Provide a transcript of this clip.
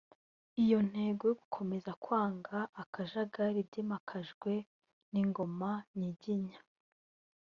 Iyo ntego yo gukomeza kwanga akajagari byimakajwe n’Ingoma Nyiginya